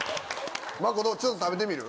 まこちょっと食べてみる？